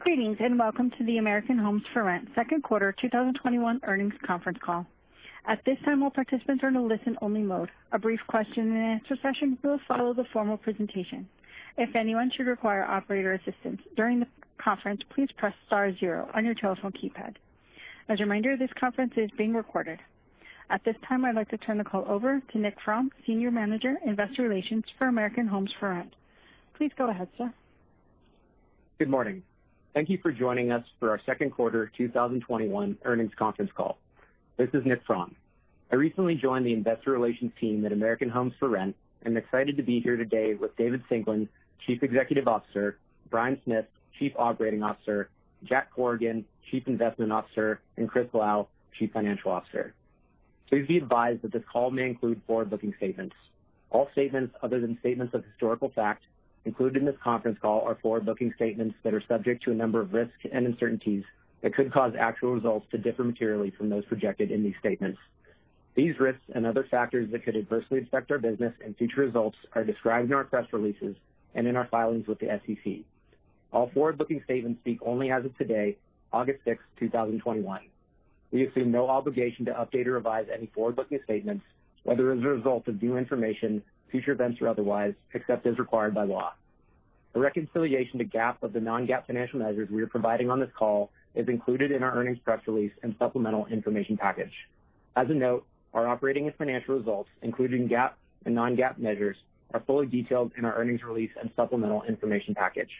Greetings, and welcome to the American Homes 4 Rent second quarter 2021 earnings conference call. At this time all participants are in a listen-only mode. A brief question-and-session will follow the formal presentation. If anyone should require operator assistance during the conference please press star zero on your telephone keypad. As a reminder, this call is being recorded. At At this time, I'd like to turn the call over to Nick Fromm, Senior Manager, Investor Relations for American Homes 4 Rent. Please go ahead, sir. Good morning. Thank you for joining us for our second quarter 2021 earnings conference call. This is Nick Fromm. I recently joined the investor relations team at American Homes 4 Rent and I am excited to be here today with David Singelyn, Chief Executive Officer, Bryan Smith, Chief Operating Officer, Jack Corrigan, Chief Investment Officer, and Chris Lau, Chief Financial Officer. Please be advised that this call may include forward-looking statements. All statements other than statements of historical fact included in this conference call are forward-looking statements that are subject to a number of risks and uncertainties that could cause actual results to differ materially from those projected in these statements. These risks and other factors that could adversely affect our business and future results are described in our press releases and in our filings with the SEC. All forward-looking statements speak only as of today, August 6th, 2021. We assume no obligation to update or revise any forward-looking statements, whether as a result of new information, future events, or otherwise, except as required by law. A reconciliation to GAAP of the non-GAAP financial measures we are providing on this call is included in our earnings press release and supplemental information package. As a note, our operating and financial results, including GAAP and non-GAAP measures, are fully detailed in our earnings release and supplemental information package.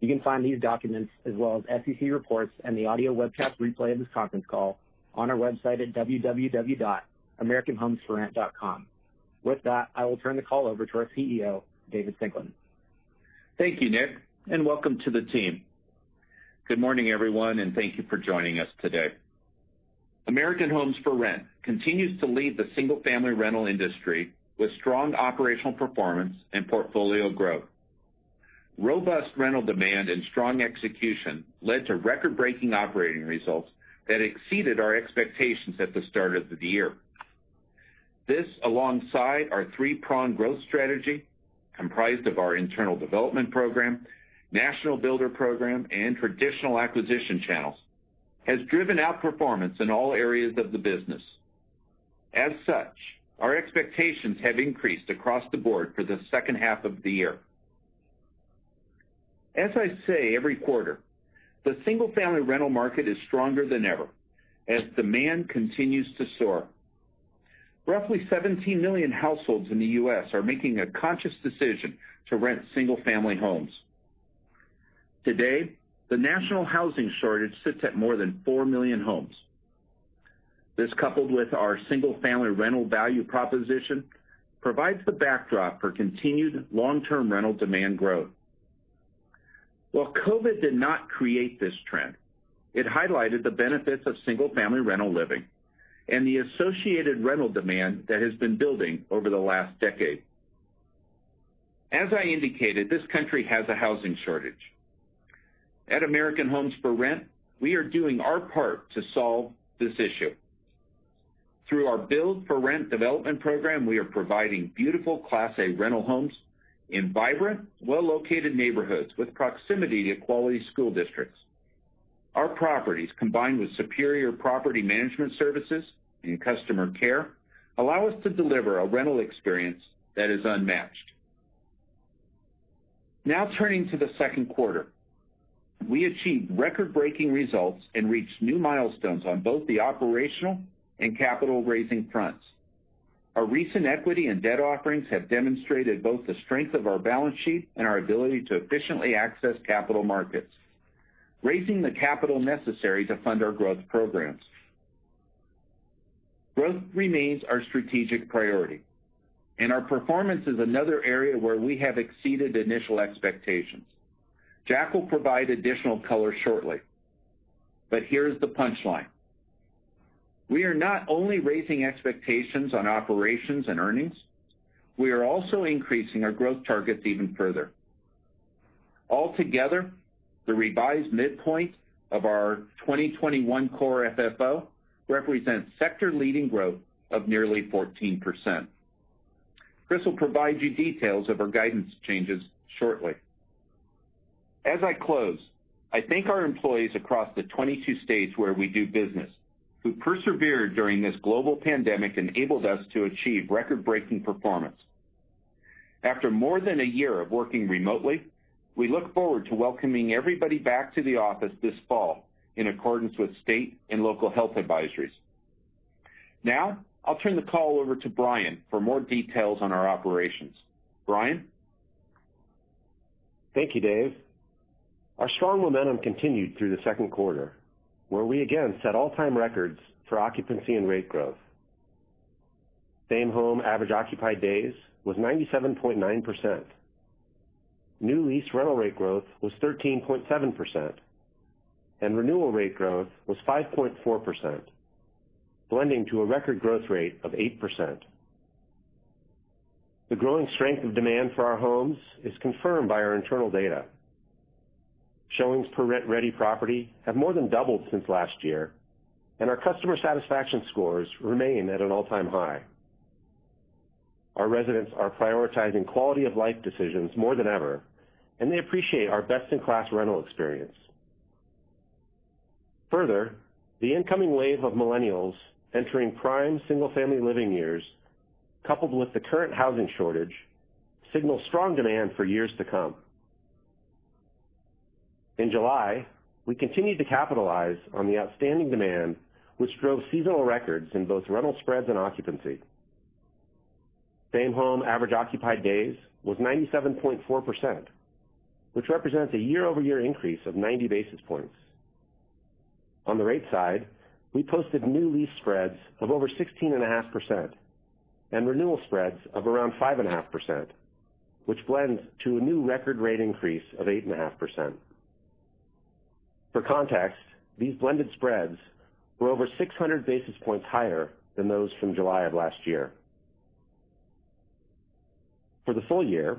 You can find these documents as well as SEC reports and the audio webcast replay of this conference call on our website at www.americanhomes4rent.com. With that, I will turn the call over to our CEO, David Singelyn. Thank you, Nick, and welcome to the team. Good morning, everyone, thank you for joining us today. American Homes 4 Rent continues to lead the single-family rental industry with strong operational performance and portfolio growth. Robust rental demand and strong execution led to record-breaking operating results that exceeded our expectations at the start of the year. This, alongside our three-pronged growth strategy, comprised of our internal development program, national builder program, and traditional acquisition channels, has driven outperformance in all areas of the business. As such, our expectations have increased across the board for the second half of the year. As I say every quarter, the single-family rental market is stronger than ever as demand continues to soar. Roughly 17 million households in the U.S. are making a conscious decision to rent single-family homes. Today, the national housing shortage sits at more than 4 million homes. This, coupled with our single-family rental value proposition, provides the backdrop for continued long-term rental demand growth. While COVID did not create this trend, it highlighted the benefits of single-family rental living and the associated rental demand that has been building over the last decade. As I indicated, this country has a housing shortage. At American Homes 4 Rent, we are doing our part to solve this issue. Through our Build-for-Rent development program, we are providing beautiful Class A rental homes in vibrant, well-located neighborhoods with proximity to quality school districts. Our properties, combined with superior property management services and customer care, allow us to deliver a rental experience that is unmatched. Now turning to the second quarter. We achieved record-breaking results and reached new milestones on both the operational and capital-raising fronts. Our recent equity and debt offerings have demonstrated both the strength of our balance sheet and our ability to efficiently access capital markets, raising the capital necessary to fund our growth programs. Growth remains our strategic priority, and our performance is another area where we have exceeded initial expectations. Jack will provide additional color shortly, but here is the punchline. We are not only raising expectations on operations and earnings, we are also increasing our growth targets even further. Altogether, the revised midpoint of our 2021 core FFO represents sector-leading growth of nearly 14%. Chris will provide you details of our guidance changes shortly. As I close, I thank our employees across the 22 states where we do business, who persevered during this global pandemic, enabled us to achieve record-breaking performance. After more than a year of working remotely, we look forward to welcoming everybody back to the office this fall in accordance with state and local health advisories. Now, I'll turn the call over to Bryan for more details on our operations. Bryan? Thank you, Dave. Our strong momentum continued through the second quarter, where we again set all-time records for occupancy and rate growth. Same-home average occupied days was 97.9%. New lease rental rate growth was 13.7%, and renewal rate growth was 5.4%, blending to a record growth rate of 8%. The growing strength of demand for our homes is confirmed by our internal data. Showings per rent-ready property have more than doubled since last year. Our customer satisfaction scores remain at an all-time high. Our residents are prioritizing quality of life decisions more than ever, and they appreciate our best-in-class rental experience. Further, the incoming wave of millennials entering prime single-family living years, coupled with the current housing shortage, signals strong demand for years to come. In July, we continued to capitalize on the outstanding demand, which drove seasonal records in both rental spreads and occupancy. Same-home average occupied days was 97.4%, which represents a year-over-year increase of 90 basis points. On the rate side, we posted new lease spreads of over 16.5% and renewal spreads of around 5.5%, which blends to a new record rate increase of 8.5%. For context, these blended spreads were over 600 basis points higher than those from July of last year. For the full year,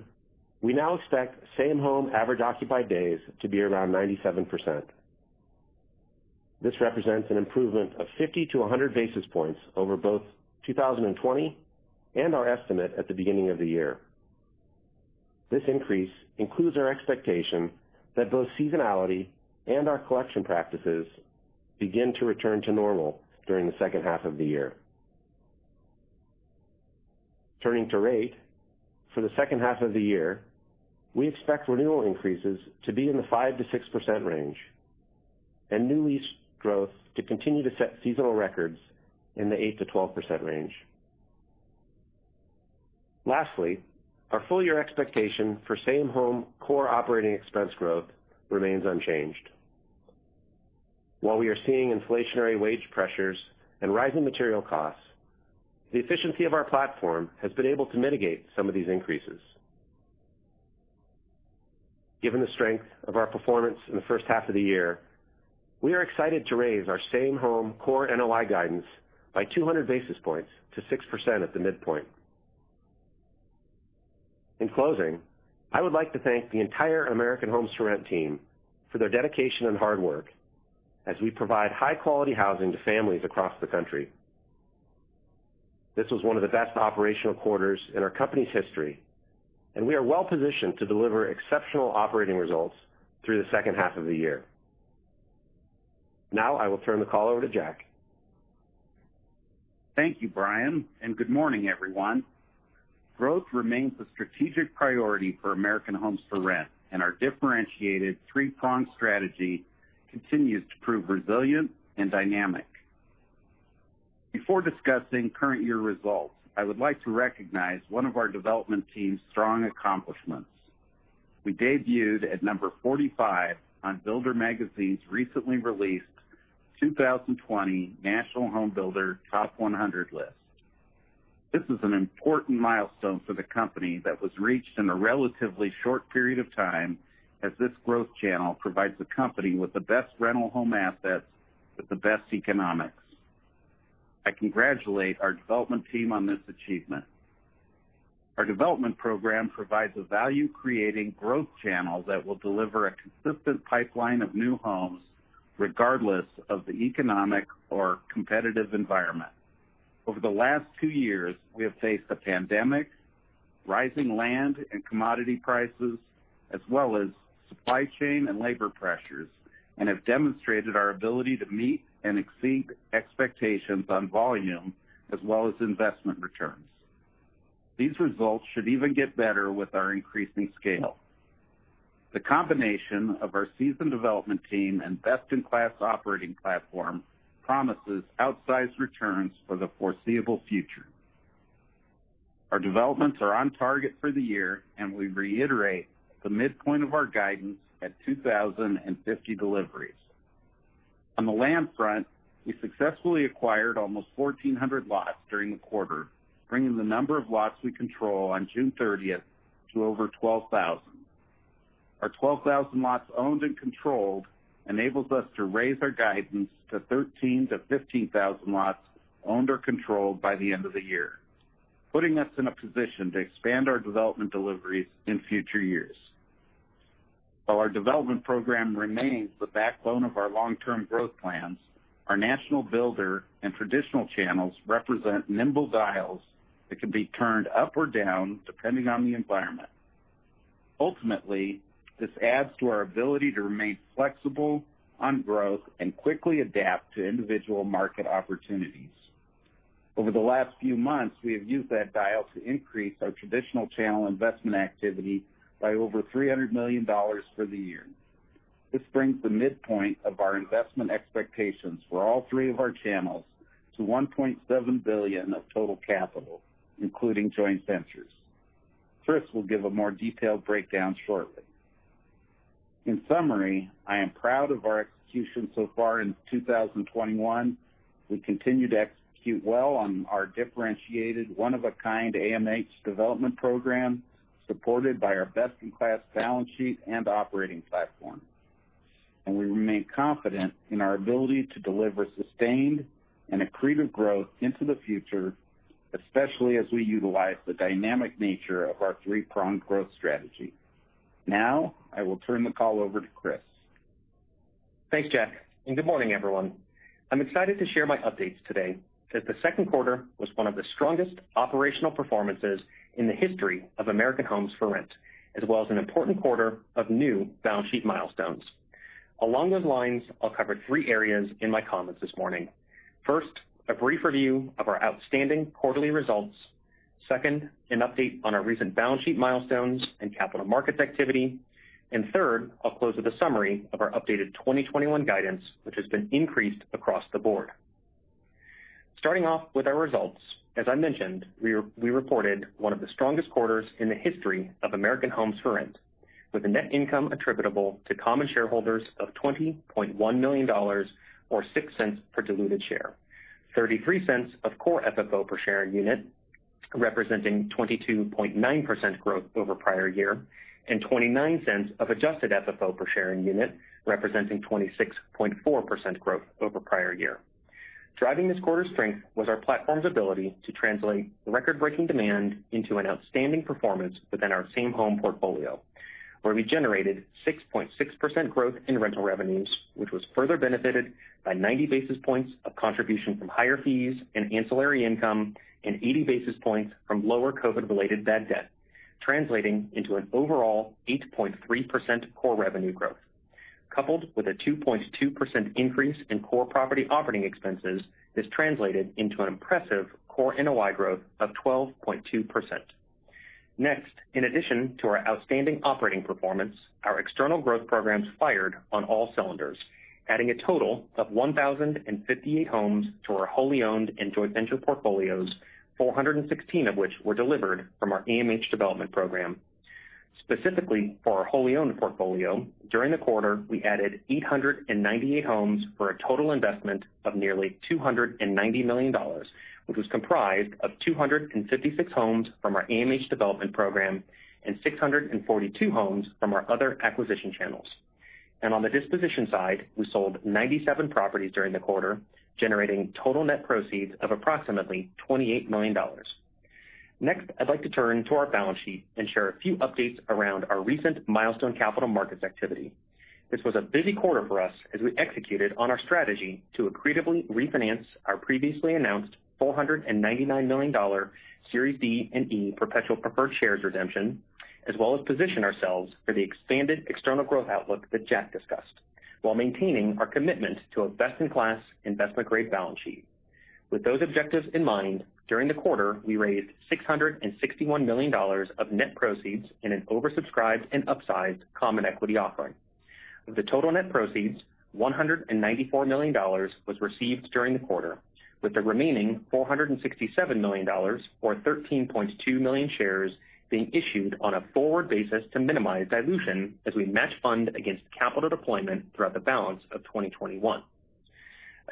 we now expect same-home average occupied days to be around 97%. This represents an improvement of 50-100 basis points over both 2020 and our estimate at the beginning of the year. This increase includes our expectation that both seasonality and our collection practices begin to return to normal during the second half of the year. Turning to rate. For the second half of the year, we expect renewal increases to be in the 5%-6% range, and new lease growth to continue to set seasonal records in the 8%-12% range. Lastly, our full-year expectation for same-home core operating expense growth remains unchanged. While we are seeing inflationary wage pressures and rising material costs, the efficiency of our platform has been able to mitigate some of these increases. Given the strength of our performance in the first half of the year, we are excited to raise our same-home core NOI guidance by 200 basis points to 6% at the midpoint. In closing, I would like to thank the entire American Homes 4 Rent team for their dedication and hard work as we provide high-quality housing to families across the country. This was one of the best operational quarters in our company's history, and we are well-positioned to deliver exceptional operating results through the second half of the year. I will turn the call over to Jack. Thank you, Bryan, and good morning, everyone. Growth remains a strategic priority for American Homes 4 Rent, and our differentiated three-pronged strategy continues to prove resilient and dynamic. Before discussing current year results, I would like to recognize one of our development team's strong accomplishments. We debuted at number 45 on Builder Magazine's recently released 2020 National Home Builder Top 100 list. This is an important milestone for the company that was reached in a relatively short period of time, as this growth channel provides the company with the best rental home assets with the best economics. I congratulate our development team on this achievement. Our development program provides a value-creating growth channel that will deliver a consistent pipeline of new homes regardless of the economic or competitive environment. Over the last two years, we have faced a pandemic, rising land and commodity prices, as well as supply chain and labor pressures, and have demonstrated our ability to meet and exceed expectations on volume as well as investment returns. These results should even get better with our increasing scale. The combination of our seasoned development team and best-in-class operating platform promises outsized returns for the foreseeable future. Our developments are on target for the year, and we reiterate the midpoint of our guidance at 2,050 deliveries. On the land front, we successfully acquired almost 1,400 lots during the quarter, bringing the number of lots we control on June 30th to over 12,000. Our 12,000 lots owned and controlled enables us to raise our guidance to 13,000-15,000 lots owned or controlled by the end of the year, putting us in a position to expand our development deliveries in future years. While our development program remains the backbone of our long-term growth plans, our national builder and traditional channels represent nimble dials that can be turned up or down depending on the environment. Ultimately, this adds to our ability to remain flexible on growth and quickly adapt to individual market opportunities. Over the last few months, we have used that dial to increase our traditional channel investment activity by over $300 million for the year. This brings the midpoint of our investment expectations for all three of our channels to $1.7 billion of total capital, including joint ventures. Chris will give a more detailed breakdown shortly. In summary, I am proud of our execution so far in 2021. We continue to execute well on our differentiated, one-of-a-kind AMH development program, supported by our best-in-class balance sheet and operating platform. We remain confident in our ability to deliver sustained and accretive growth into the future, especially as we utilize the dynamic nature of our three-pronged growth strategy. Now, I will turn the call over to Chris. Thanks, Jack. Good morning, everyone. I'm excited to share my updates today, as the second quarter was one of the strongest operational performances in the history of American Homes 4 Rent, as well as an important quarter of new balance sheet milestones. Along those lines, I'll cover three areas in my comments this morning. First, a brief review of our outstanding quarterly results. Second, an update on our recent balance sheet milestones and capital markets activity. Third, I'll close with a summary of our updated 2021 guidance, which has been increased across the board. Starting off with our results, as I mentioned, we reported one of the strongest quarters in the history of American Homes 4 Rent, with a net income attributable to common shareholders of $20.1 million, or $0.06 per diluted share, $0.33 of core FFO per share unit, representing 22.9% growth over prior year, and $0.29 of adjusted FFO per share unit, representing 26.4% growth over prior year. Driving this quarter's strength was our platform's ability to translate record-breaking demand into an outstanding performance within our same-home portfolio, where we generated 6.6% growth in rental revenues, which was further benefited by 90 basis points of contribution from higher fees and ancillary income, and 80 basis points from lower COVID-related bad debt, translating into an overall 8.3% core revenue growth. Coupled with a 2.2% increase in core property operating expenses, this translated into an impressive core NOI growth of 12.2%. In addition to our outstanding operating performance, our external growth programs fired on all cylinders, adding a total of 1,058 homes to our wholly owned and joint venture portfolios, 416 of which were delivered from our AMH development program. Specifically, for our wholly owned portfolio, during the quarter, we added 898 homes for a total investment of nearly $290 million, which was comprised of 256 homes from our AMH development program and 642 homes from our other acquisition channels. On the disposition side, we sold 97 properties during the quarter, generating total net proceeds of approximately $28 million. I'd like to turn to our balance sheet and share a few updates around our recent milestone capital markets activity. This was a busy quarter for us as we executed on our strategy to accretively refinance our previously announced $499 million Series D and Series E perpetual preferred shares redemption, as well as position ourselves for the expanded external growth outlook that Jack discussed, while maintaining our commitment to a best-in-class investment-grade balance sheet. With those objectives in mind, during the quarter, we raised $661 million of net proceeds in an oversubscribed and upsized common equity offering. Of the total net proceeds, $194 million was received during the quarter, with the remaining $467 million, or 13.2 million shares, being issued on a forward basis to minimize dilution as we match fund against capital deployment throughout the balance of 2021.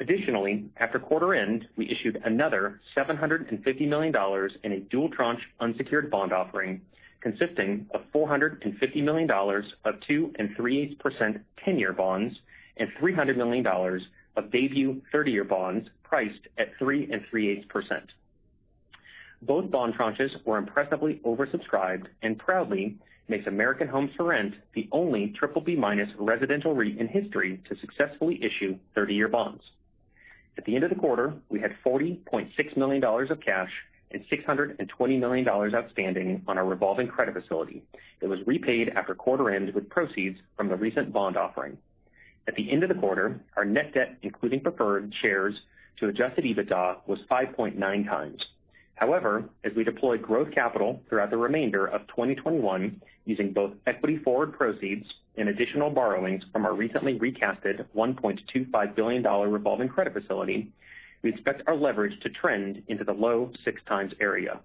Additionally, after quarter end, we issued another $750 million in a dual tranche unsecured bond offering, consisting of $450 million of 2.375% 10-year bonds and $300 million of debut 30-year bonds priced at 3.375%. Both bond tranches were impressively oversubscribed and proudly makes American Homes 4 Rent the only BBB- residential REIT in history to successfully issue 30-year bonds. At the end of the quarter, we had $40.6 million of cash and $620 million outstanding on our revolving credit facility that was repaid after quarter end with proceeds from the recent bond offering. At the end of the quarter, our net debt, including preferred shares to adjusted EBITDA, was 5.9x. However, as we deploy growth capital throughout the remainder of 2021, using both equity forward proceeds and additional borrowings from our recently recast $1.25 billion revolving credit facility, we expect our leverage to trend into the low six times area.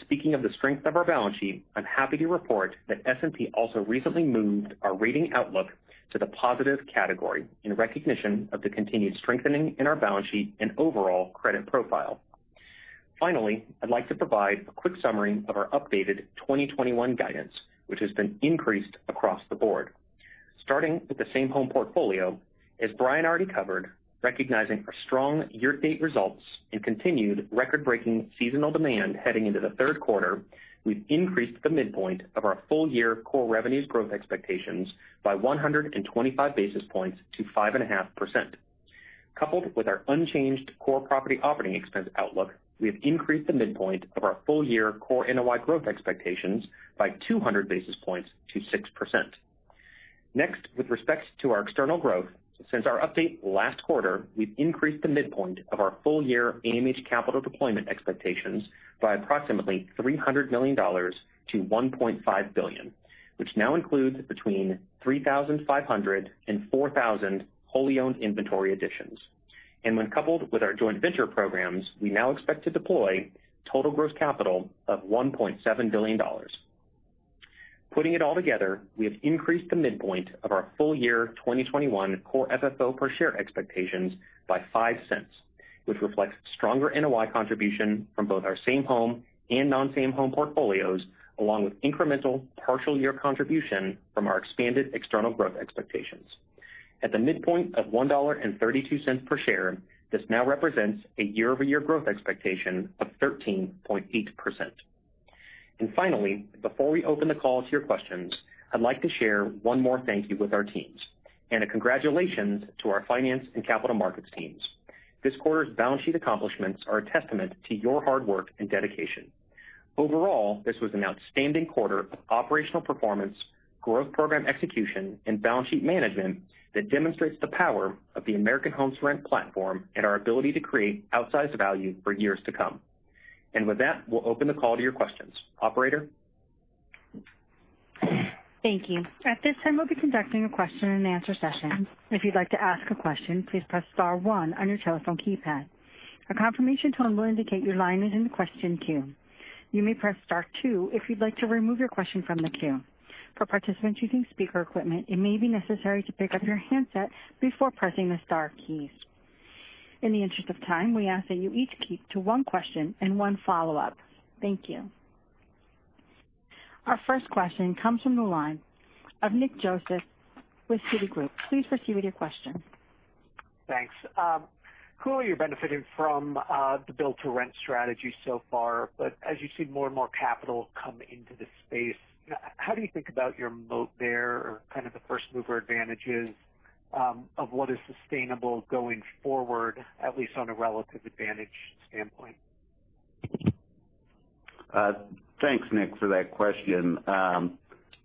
Speaking of the strength of our balance sheet, I'm happy to report that S&P also recently moved our rating outlook to the positive category in recognition of the continued strengthening in our balance sheet and overall credit profile. Finally, I'd like to provide a quick summary of our updated 2021 guidance, which has been increased across the board. Starting with the same-home portfolio, as Bryan already covered, recognizing our strong year-to-date results and continued record-breaking seasonal demand heading into the third quarter, we've increased the midpoint of our full-year core revenues growth expectations by 125 basis points to 5.5%. Coupled with our unchanged core property operating expense outlook, we have increased the midpoint of our full-year core NOI growth expectations by 200 basis points to 6%. Next, with respect to our external growth, since our update last quarter, we've increased the midpoint of our full-year AMH capital deployment expectations by approximately $300 million-$1.5 billion, which now includes between 3,500 and 4,000 wholly owned inventory additions. When coupled with our joint venture programs, we now expect to deploy total gross capital of $1.7 billion. Putting it all together, we have increased the midpoint of our full-year 2021 core FFO per share expectations by $0.05, which reflects stronger NOI contribution from both our same-home and non-same home portfolios, along with incremental partial year contribution from our expanded external growth expectations. At the midpoint of $1.32 per share, this now represents a year-over-year growth expectation of 13.8%. Finally, before we open the call to your questions, I'd like to share one more thank you with our teams and a congratulations to our finance and capital markets teams. This quarter's balance sheet accomplishments are a testament to your hard work and dedication. Overall, this was an outstanding quarter of operational performance, growth program execution, and balance sheet management that demonstrates the power of the American Homes 4 Rent platform and our ability to create outsized value for years to come. With that, we'll open the call to your questions. Operator? Thank you. At this time we will be conducting a question-and-answer session. If you'd like to ask a question, please press star one on your telephone keypad. A confirmation tone will indicate your line is in the question queue. You may press star two if you'd like to remove your question from the queue. For participants using speaker equipment, it may be necessary to pick up your handset before pressing the star keys. In the interest of time, we ask that you stick to one question and one follow-up. Thank you. Thank you. Our first question comes from the line of Nick Joseph with Citigroup. Please proceed with your question. Thanks. Clearly, you're benefiting from the Build-to-Rent strategy so far, as you see more and more capital come into this space, how do you think about your moat there, or kind of the first-mover advantages of what is sustainable going forward, at least on a relative advantage standpoint? Thanks, Nick, for that question.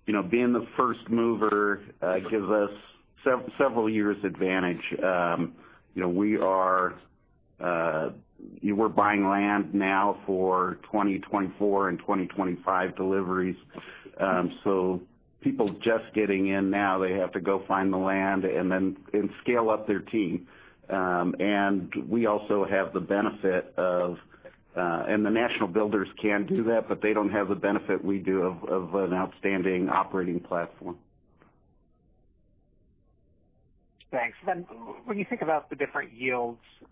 Being the first mover gives us several years advantage. We're buying land now for 2024 and 2025 deliveries. People just getting in now, they have to go find the land and scale up their team. The national builders can do that, but they don't have the benefit we do of an outstanding operating platform. Thanks. When you think about the different yields, with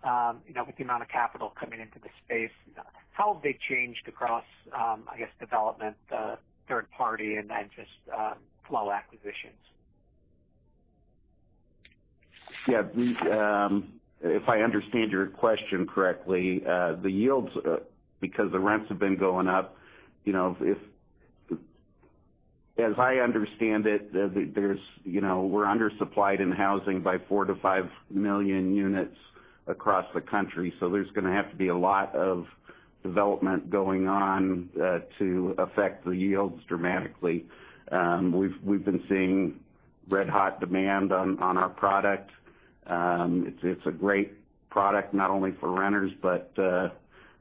the amount of capital coming into the space, how have they changed across development, third party, and just flow acquisitions? Yeah. If I understand your question correctly, the yields, because the rents have been going up. As I understand it, we're undersupplied in housing by 4 million-5 million units across the country, there's going to have to be a lot of development going on to affect the yields dramatically. We've been seeing red-hot demand on our product. It's a great product, not only for renters, but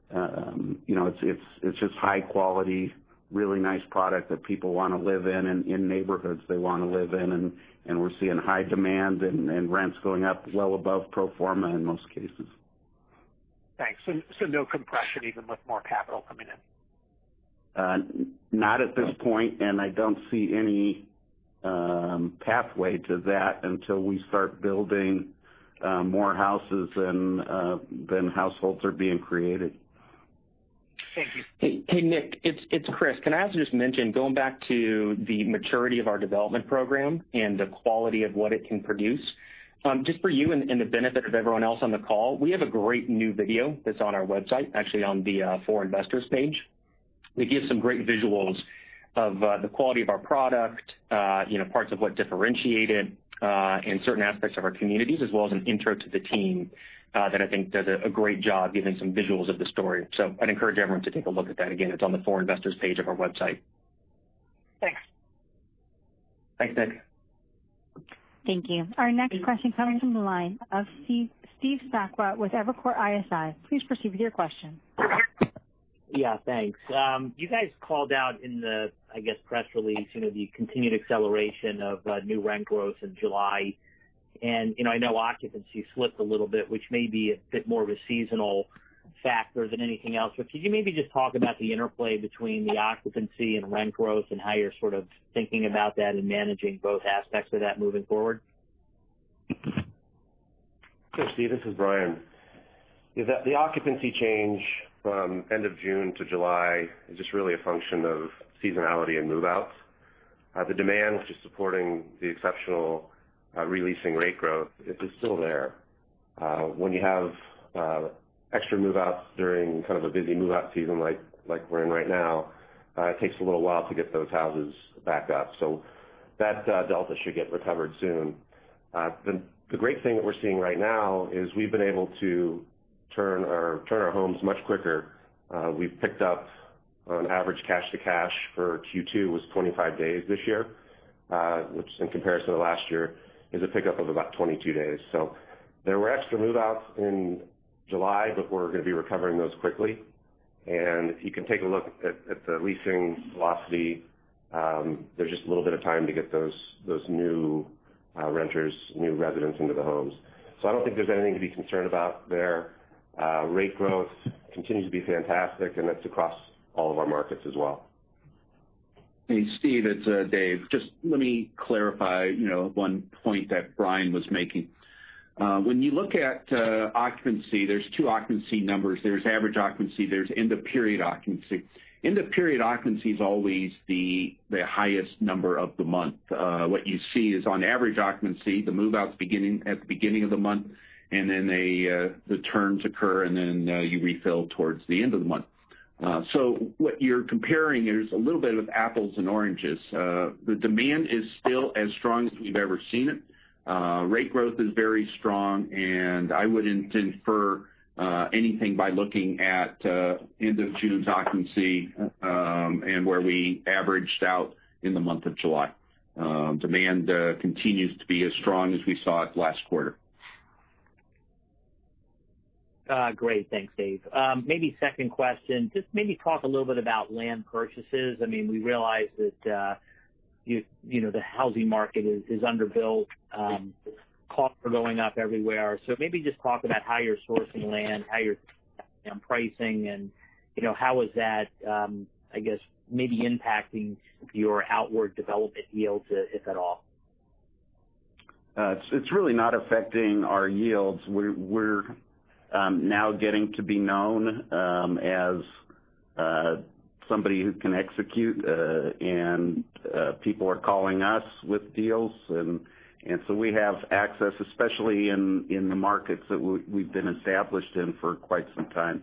it's just high quality, really nice product that people want to live in and in neighborhoods they want to live in. We're seeing high demand and rents going up well above pro forma in most cases. Thanks. No compression even with more capital coming in. Not at this point, and I don't see any pathway to that until we start building more houses than households are being created. Thank you. Hey, Nick. It's Chris. I also just mention, going back to the maturity of our development program and the quality of what it can produce, just for you and the benefit of everyone else on the call, we have a great new video that's on our website, actually on the For Investors page. We give some great visuals of the quality of our product, parts of what differentiate it, and certain aspects of our communities, as well as an intro to the team that I think does a great job giving some visuals of the story. I'd encourage everyone to take a look at that. Again, it's on the For Investors page of our website. Thanks. Thanks, Nick. Thank you. Our next question coming from the line of Steve Sakwa with Evercore ISI. Please proceed with your question. Yeah, thanks. You guys called out in the press release, the continued acceleration of new rent growth in July. I know occupancy slipped a little bit, which may be a bit more of a seasonal factor than anything else, but could you maybe just talk about the interplay between the occupancy and rent growth and how you're sort of thinking about that and managing both aspects of that moving forward? Sure, Steve. This is Bryan. The occupancy change from end of June to July is just really a function of seasonality and move-outs. The demand, which is supporting the exceptional re-leasing rate growth, it is still there. When you have extra move-outs during kind of a busy move-out season like we're in right now, it takes a little while to get those houses back up, so that delta should get recovered soon. The great thing that we're seeing right now is we've been able to turn our homes much quicker. We've picked up, on average, cash to cash for Q2 was 25 days this year, which, in comparison to last year, is a pickup of about 22 days. There were extra move-outs in July, but we're going to be recovering those quickly. If you can take a look at the leasing velocity, there's just a little bit of time to get those new renters, new residents into the homes. I don't think there's anything to be concerned about there. Rate growth continues to be fantastic, and that's across all of our markets as well. Hey, Steve, it's Dave. Just let me clarify one point that Bryan was making. When you look at occupancy, there's two occupancy numbers. There's average occupancy, there's end-of-period occupancy. End-of-period occupancy is always the highest number of the month. What you see is on average occupancy, the move-outs at the beginning of the month, and then the turns occur, and then you refill towards the end of the month. What you're comparing is a little bit of apples and oranges. The demand is still as strong as we've ever seen it. Rate growth is very strong, and I wouldn't infer anything by looking at end of June's occupancy and where we averaged out in the month of July. Demand continues to be as strong as we saw it last quarter. Great. Thanks, Dave. Maybe second question, just maybe talk a little bit about land purchases. We realize that the housing market is underbuilt. Costs are going up everywhere. Maybe just talk about how you're sourcing land, how you're pricing, and how is that maybe impacting your outward development yields, if at all? It's really not affecting our yields. We're now getting to be known as somebody who can execute, and people are calling us with deals. We have access, especially in the markets that we've been established in for quite some time.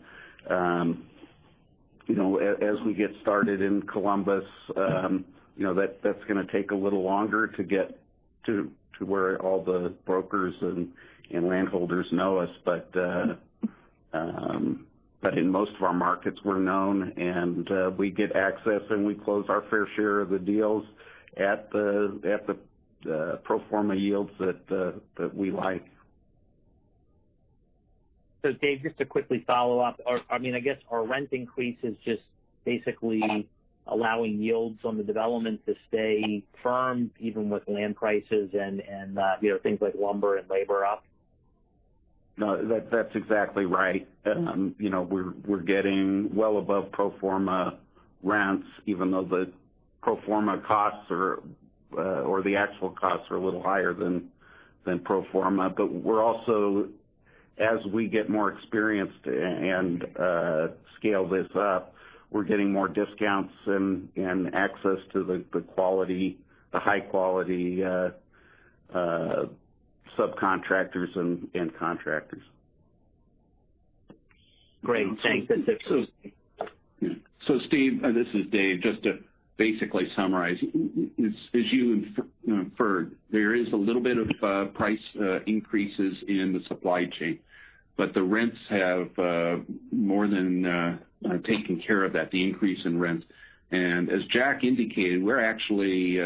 As we get started in Columbus, that's going to take a little longer to get to where all the brokers and landholders know us. In most of our markets, we're known, and we get access, and we close our fair share of the deals at the pro forma yields that we like. Dave, just to quickly follow up, are rent increases just basically allowing yields on the development to stay firm even with land prices and things like lumber and labor up? No, that's exactly right. We're getting well above pro forma rents even though the pro forma costs or the actual costs are a little higher than pro forma. We're also, as we get more experienced and scale this up, we're getting more discounts and access to the high-quality subcontractors and contractors. Great. Thanks. Steve, this is David. Just to basically summarize, as you inferred, there is a little bit of price increases in the supply chain, but the rents have more than taken care of that, the increase in rents. As Jack indicated, we're actually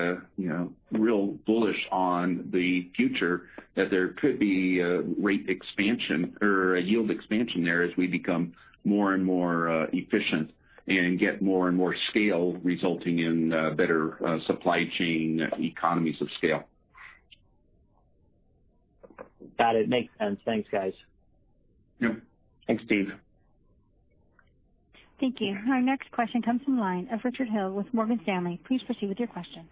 real bullish on the future that there could be a rate expansion or a yield expansion there as we become more and more efficient and get more and more scale, resulting in better supply chain economies of scale. Got it. Makes sense. Thanks, guys. Yep. Thanks, Steve. Thank you. Our next question comes from the line of Richard Hill with Morgan Stanley. Please proceed with your question.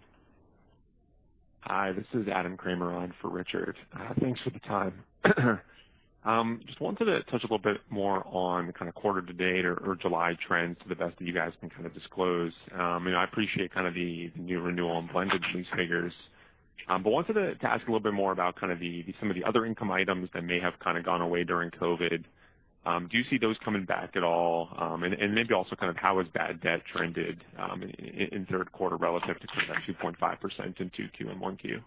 Hi, this is Adam Kramer on for Richard. Thanks for the time. Just wanted to touch a little bit more on kind of quarter-to-date or July trends to the best that you guys can kind of disclose. I appreciate kind of the new renewal and blended lease figures. Wanted to ask a little bit more about kind of some of the other income items that may have kind of gone away during COVID. Do you see those coming back at all? Maybe also kind of how has bad debt trended in third quarter relative to kind of that 2.5% in Q2 and Q1?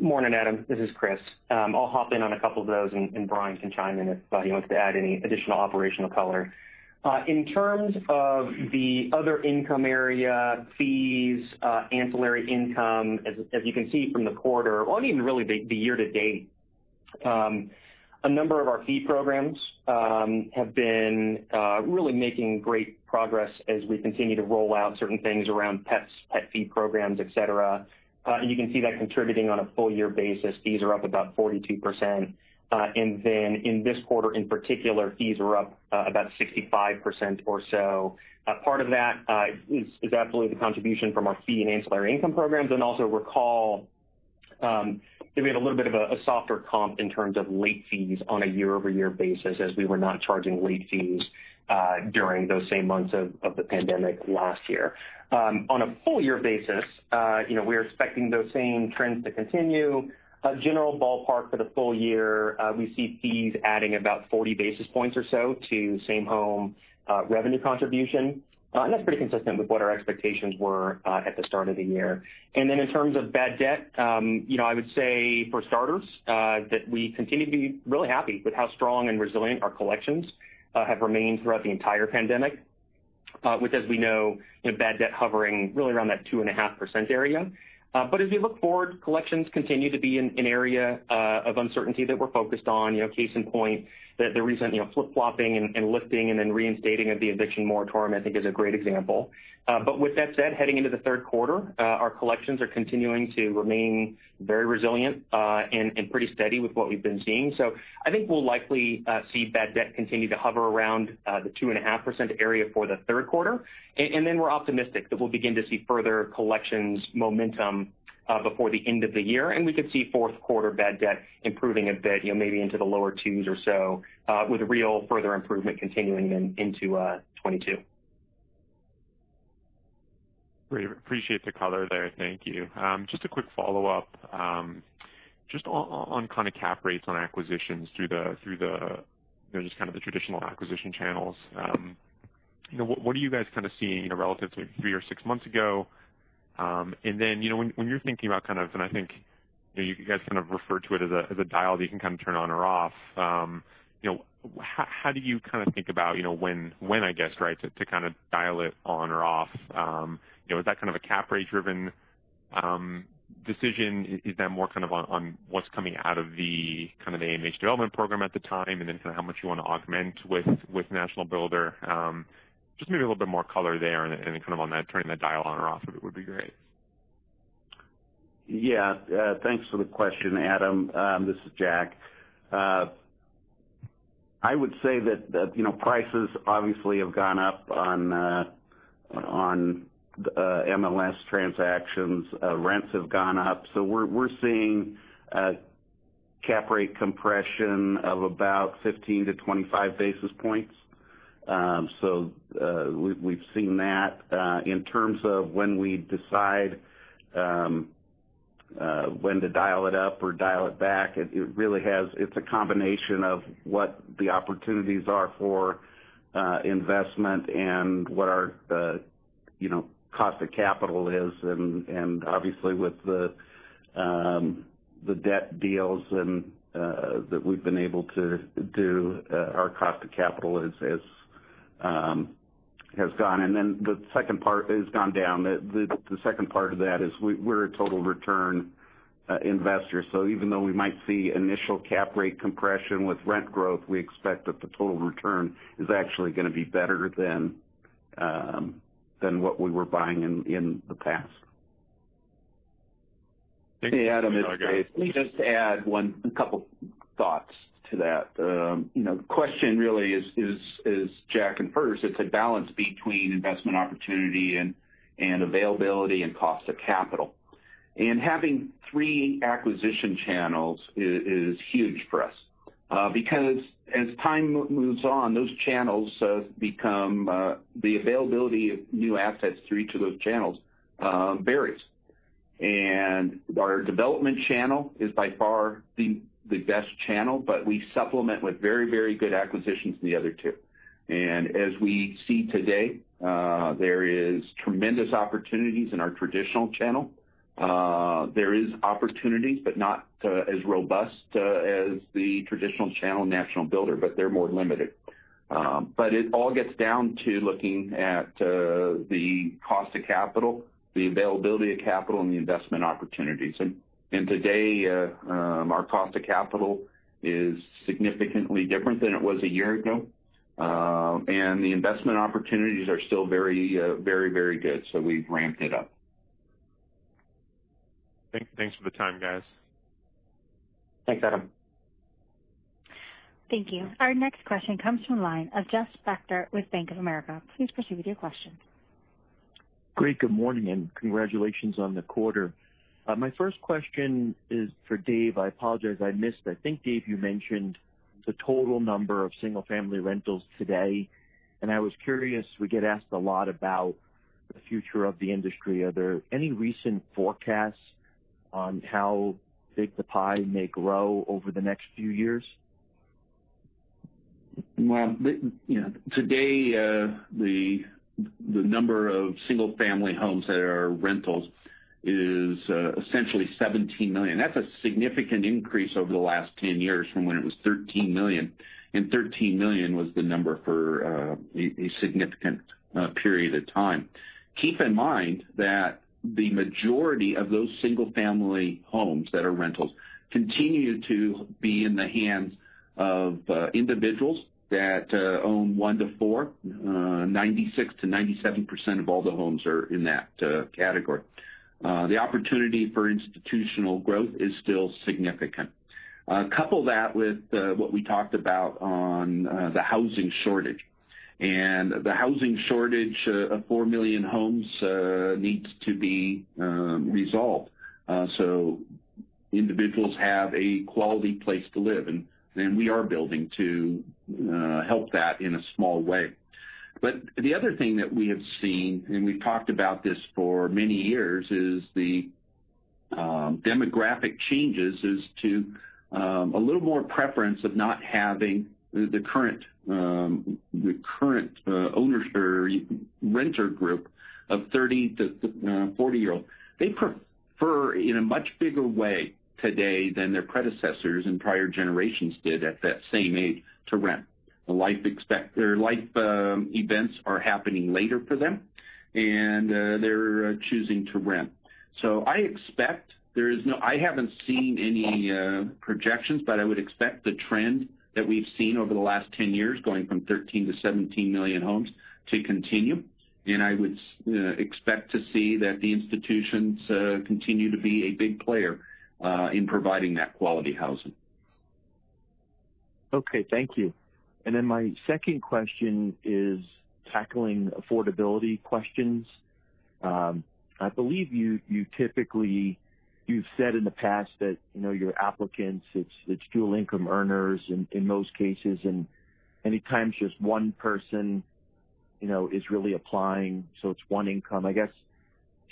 Morning, Adam. This is Chris. I'll hop in on a couple of those, and Bryan can chime in if he wants to add any additional operational color. In terms of the other income area, fees, ancillary income, as you can see from the quarter or even really the year-to-date, a number of our fee programs have been really making great progress as we continue to roll out certain things around pets, pet fee programs, et cetera. You can see that contributing on a full year basis. Fees are up about 42%. In this quarter in particular, fees are up about 65% or so. Part of that is absolutely the contribution from our fee and ancillary income programs. Also recall that we had a little bit of a softer comp in terms of late fees on a year-over-year basis as we were not charging late fees during those same months of the pandemic last year. On a full year basis, we're expecting those same trends to continue. A general ballpark for the full year, we see fees adding about 40 basis points or so to same-home revenue contribution. That's pretty consistent with what our expectations were at the start of the year. In terms of bad debt, I would say for starters that we continue to be really happy with how strong and resilient our collections have remained throughout the entire pandemic, with, as we know, bad debt hovering really around that 2.5% area. As we look forward, collections continue to be an area of uncertainty that we're focused on. Case in point, the recent flip-flopping and lifting and then reinstating of the eviction moratorium I think is a great example. With that said, heading into the third quarter, our collections are continuing to remain very resilient and pretty steady with what we've been seeing. I think we'll likely see bad debt continue to hover around the 2.5% area for the third quarter. Then we're optimistic that we'll begin to see further collections momentum before the end of the year, and we could see fourth quarter bad debt improving a bit, maybe into the lower 2s or so, with real further improvement continuing then into 2022. Great. Appreciate the color there. Thank you. Just a quick follow-up. Just on kind of cap rates on acquisitions through just kind of the traditional acquisition channels. What are you guys kind of seeing relative to three or six months ago? Then, when you're thinking about, you guys kind of refer to it as a dial that you can kind of turn on or off. How do you kind of think about when, I guess, right, to kind of dial it on or off? Is that kind of a cap rate driven decision? Is that more kind of on what's coming out of the kind of the AMH development program at the time, and then sort of how much you want to augment with national builder? Just maybe a little bit more color there and kind of on that turning the dial on or off of it would be great. Yeah. Thanks for the question, Adam. This is Jack. I would say that prices obviously have gone up on MLS transactions. Rents have gone up. We're seeing a cap rate compression of about 15-25 basis points. We've seen that. In terms of when we decide when to dial it up or dial it back, it's a combination of what the opportunities are for investment and what our cost of capital is. Obviously with the debt deals that we've been able to do, our cost of capital has gone down. The second part of that is we're a total return investor. Even though we might see initial cap rate compression with rent growth, we expect that the total return is actually going to be better than what we were buying in the past. Thank you. Hey, Adam, it's David. Let me just add a couple thoughts to that. The question really is, Jack, first, it's a balance between investment opportunity and availability and cost of capital. Having three acquisition channels is huge for us. Because as time moves on, those channels. The availability of new assets through each of those channels varies. Our development channel is by far the best channel, but we supplement with very, very good acquisitions in the other two. As we see today, there is tremendous opportunities in our traditional channel. There is opportunities, but not as robust as the traditional channel national builder, but they're more limited. It all gets down to looking at the cost of capital, the availability of capital, and the investment opportunities. Today, our cost of capital is significantly different than it was a year ago. The investment opportunities are still very good, so we've ramped it up. Thanks for the time, guys. Thanks, Adam. Thank you. Our next question comes from the line of Jeff Spector with Bank of America. Please proceed with your question. Great. Good morning. Congratulations on the quarter. My first question is for Dave. I apologize, I missed, I think, Dave, you mentioned the total number of single-family rentals today, and I was curious, we get asked a lot about the future of the industry. Are there any recent forecasts on how big the pie may grow over the next few years? Well, today, the number of single-family homes that are rentals is essentially 17 million. That's a significant increase over the last 10 years from when it was 13 million, and 13 million was the number for a significant period of time. Keep in mind that the majority of those single-family homes that are rentals continue to be in the hands of individuals that own one to four. 96%-97% of all the homes are in that category. The opportunity for institutional growth is still significant. Couple that with what we talked about on the housing shortage, and the housing shortage of 4 million homes needs to be resolved so individuals have a quality place to live, and we are building to help that in a small way. The other thing that we have seen, and we've talked about this for many years, is the demographic changes as to a little more preference of not having the current owner or renter group of 30-40-year-old. They prefer in a much bigger way today than their predecessors and prior generations did at that same age to rent. Their life events are happening later for them, and they're choosing to rent. I expect I haven't seen any projections, but I would expect the trend that we've seen over the last 10 years, going from 13 million-17 million homes, to continue. I would expect to see that the institutions continue to be a big player in providing that quality housing. Okay. Thank you. My second question is tackling affordability questions. I believe You've said in the past that your applicants, it's dual-income earners in most cases, and many times just one person is really applying, so it's one income. I guess,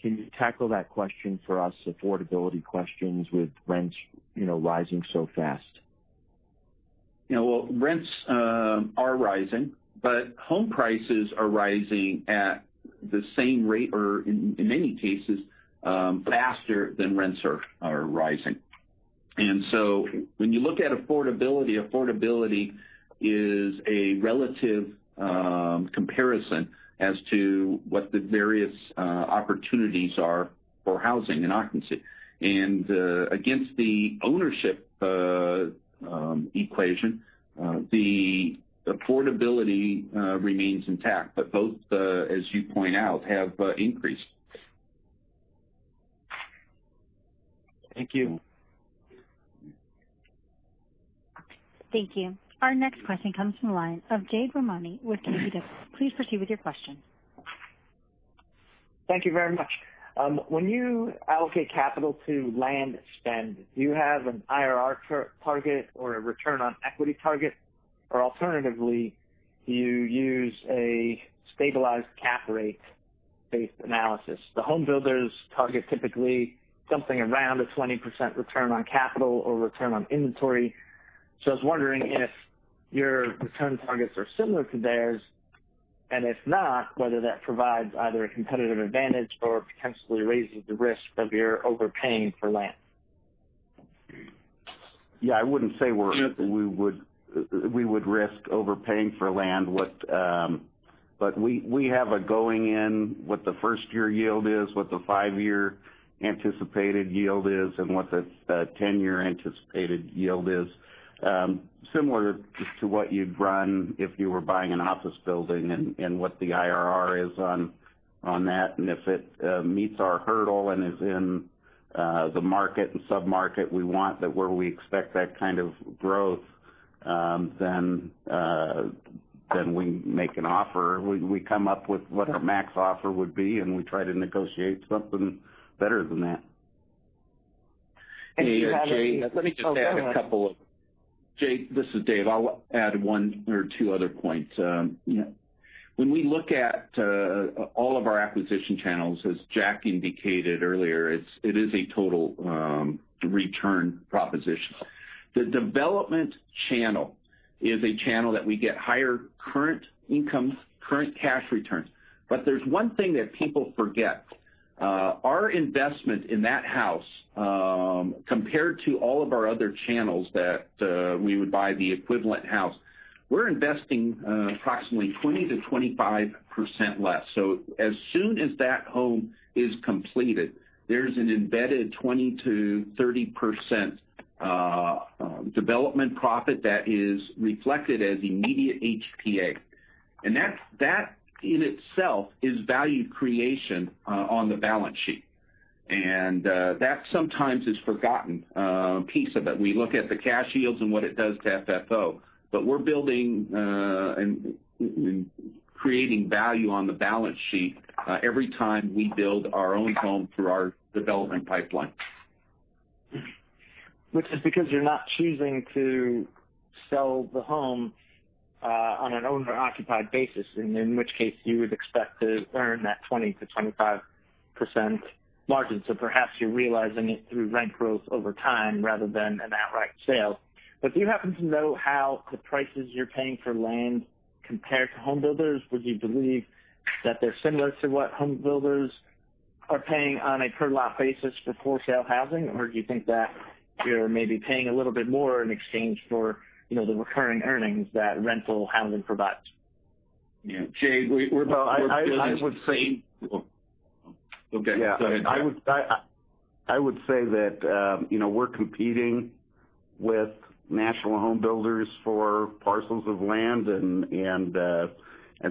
can you tackle that question for us, affordability questions with rents rising so fast? Well, rents are rising, home prices are rising at the same rate or in many cases, faster than rents are rising. When you look at affordability is a relative comparison as to what the various opportunities are for housing and occupancy. Against the ownership equation, the affordability remains intact, both, as you point out, have increased. Thank you. Thank you. Our next question comes from the line of Jade Rahmani with KBW. Please proceed with your question. Thank you very much. When you allocate capital to land spend, do you have an IRR target or a return on equity target? Alternatively, do you use a stabilized cap rate-based analysis? The homebuilders target typically something around a 20% return on capital or return on inventory. I was wondering if your return targets are similar to theirs, and if not, whether that provides either a competitive advantage or potentially raises the risk of your overpaying for land. Yeah, I wouldn't say we would risk overpaying for land. We have a going in, what the first year yield is, what the five-year anticipated yield is, and what the 10-year anticipated yield is. Similar to what you'd run if you were buying an office building and what the IRR is on that. If it meets our hurdle and is in the market and sub-market we want, that where we expect that kind of growth, then we make an offer. We come up with what our max offer would be, and we try to negotiate something better than that. Do you have any- Jade, this is Dave. I'll add one or two other points. When we look at all of our acquisition channels, as Jack indicated earlier, it is a total return proposition. The development channel is a channel that we get higher current income, current cash returns. There's one thing that people forget. Our investment in that house, compared to all of our other channels that we would buy the equivalent house, we're investing approximately 20%-25% less. As soon as that home is completed, there's an embedded 20%-30% development profit that is reflected as immediate HPA. That in itself is value creation on the balance sheet. That sometimes is forgotten piece of it. We look at the cash yields and what it does to FFO, but we're building and creating value on the balance sheet every time we build our own home through our development pipeline. Because you're not choosing to sell the home on an owner-occupied basis, in which case you would expect to earn that 20%-25% margin. Perhaps you're realizing it through rent growth over time rather than an outright sale. Do you happen to know how the prices you're paying for land compare to home builders? Would you believe that they're similar to what home builders are paying on a per lot basis for for-sale housing? Do you think that you're maybe paying a little bit more in exchange for the recurring earnings that rental housing provides? Jade. I would say- Okay. Go ahead. I would say that we're competing with national home builders for parcels of land, and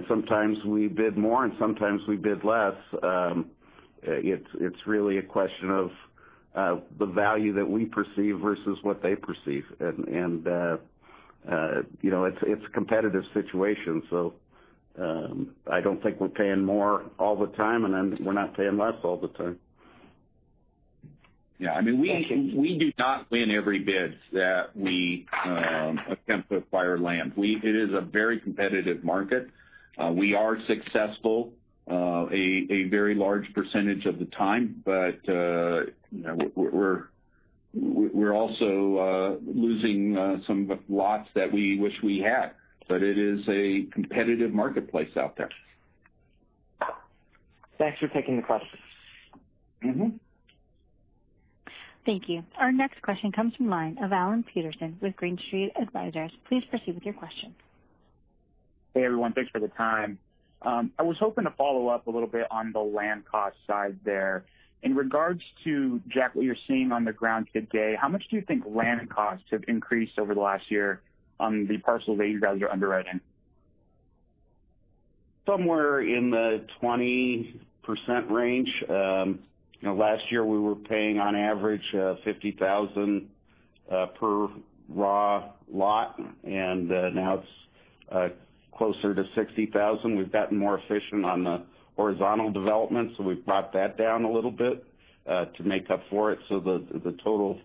sometimes we bid more, and sometimes we bid less. It's really a question of the value that we perceive versus what they perceive. It's a competitive situation. I don't think we're paying more all the time, and then we're not paying less all the time. Yeah. We do not win every bid that we attempt to acquire land. It is a very competitive market. We are successful a very large percentage of the time, but we're also losing some lots that we wish we had. It is a competitive marketplace out there. Thanks for taking the question. Thank you. Our next question comes from the line of Alan Peterson with Green Street Advisors. Please proceed with your question. Hey, everyone. Thanks for the time. I was hoping to follow up a little bit on the land cost side there. In regards to, Jack, what you're seeing on the ground today, how much do you think land costs have increased over the last year on the parcels that you guys are underwriting? Somewhere in the 20% range. Last year, we were paying on average $50,000- ...per raw lot, now it's closer to $60,000. We've gotten more efficient on the horizontal development, we've brought that down a little bit to make up for it. The total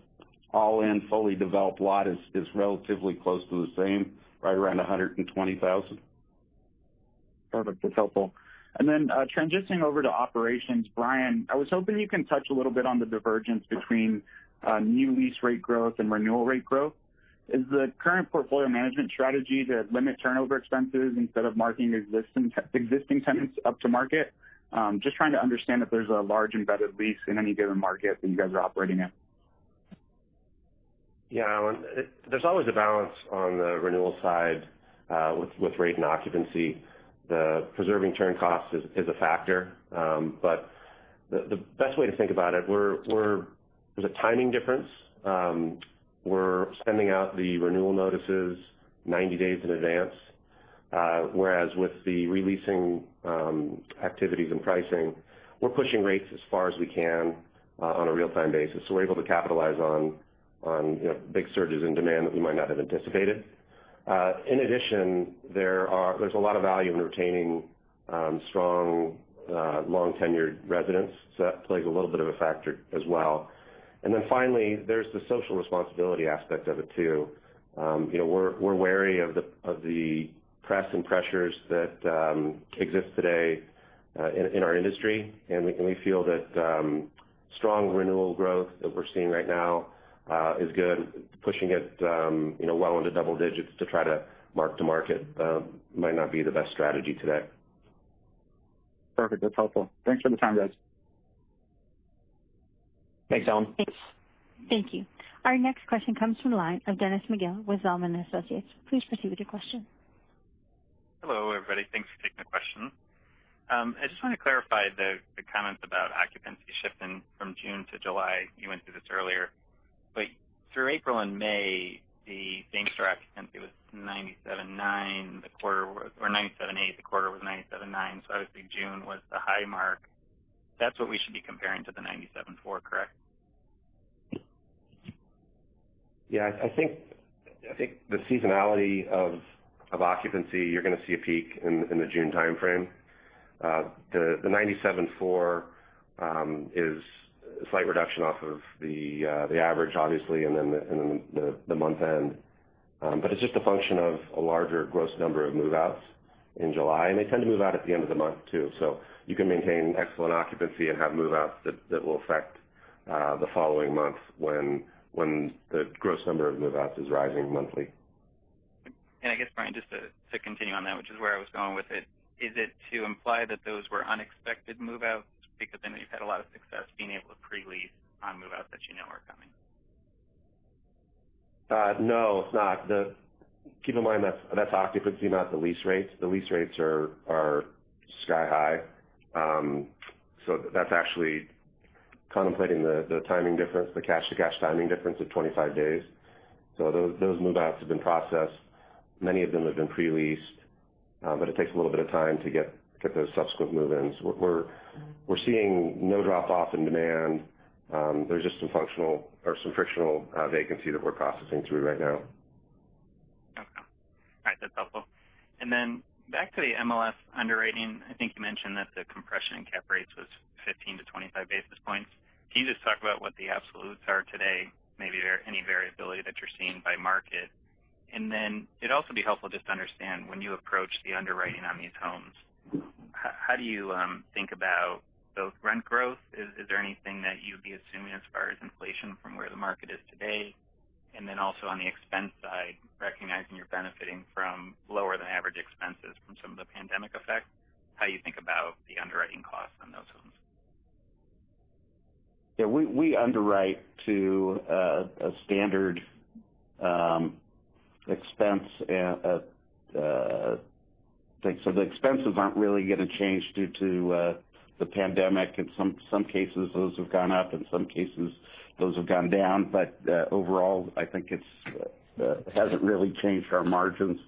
all-in fully developed lot is relatively close to the same, right around $120,000. Perfect. That's helpful. Transitioning over to operations, Bryan, I was hoping you can touch a little bit on the divergence between new lease rate growth and renewal rate growth. Is the current portfolio management strategy to limit turnover expenses instead of marking existing tenants up to market? Just trying to understand if there's a large embedded lease in any given market that you guys are operating in. Yeah. There's always a balance on the renewal side with rate and occupancy. The preserving turn cost is a factor. The best way to think about it, there's a timing difference. We're sending out the renewal notices 90 days in advance. Whereas with the re-leasing activities and pricing, we're pushing rates as far as we can on a real-time basis. We're able to capitalize on big surges in demand that we might not have anticipated. In addition, there's a lot of value in retaining strong, long-tenured residents. That plays a little bit of a factor as well. Finally, there's the social responsibility aspect of it too. We're wary of the press and pressures that exist today in our industry, and we feel that strong renewal growth that we're seeing right now is good. Pushing it well into double digits to try to mark-to-market might not be the best strategy today. Perfect. That's helpful. Thanks for the time, guys. Thanks, Alan. Thanks. Thank you. Our next question comes from the line of Dennis McGill with Zelman & Associates. Please proceed with your question. Hello, everybody. Thanks for taking the question. I just want to clarify the comments about occupancy shifting from June to July. You went through this earlier. Through April and May, the same-home occupancy was 97.9 or 97.8, the quarter was 97.9. Obviously June was the high mark. That's what we should be comparing to the 97.4, correct? Yeah. I think the seasonality of occupancy, you're going to see a peak in the June timeframe. The 97.4% is a slight reduction off of the average, obviously, and then the month end. It's just a function of a larger gross number of move-outs in July, and they tend to move out at the end of the month, too. You can maintain excellent occupancy and have move-outs that will affect the following month when the gross number of move-outs is rising monthly. I guess, Bryan, just to continue on that, which is where I was going with it, is it to imply that those were unexpected move-outs? Because I know you've had a lot of success being able to pre-lease on move-outs that you know are coming. No, it's not. Keep in mind, that's occupancy, not the lease rates. The lease rates are sky-high. That's actually contemplating the timing difference, the cash to cash timing difference of 25 days. Those move-outs have been processed. Many of them have been pre-leased, but it takes a little bit of time to get those subsequent move-ins. We're seeing no drop-off in demand. There's just some frictional vacancy that we're processing through right now. Okay. All right. That's helpful. Back to the MLS underwriting, I think you mentioned that the compression in cap rates was 15-25 basis points. Can you just talk about what the absolutes are today, maybe any variability that you're seeing by market? It'd also be helpful just to understand when you approach the underwriting on these homes, how do you think about both rent growth? Is there anything that you'd be assuming as far as inflation from where the market is today? Also on the expense side, recognizing you're benefiting from lower than average expenses from some of the pandemic effect, how you think about the underwriting costs on those homes? Yeah, we underwrite to a standard expense. The expenses aren't really going to change due to the pandemic. In some cases, those have gone up, in some cases, those have gone down. Overall, I think it hasn't really changed our margins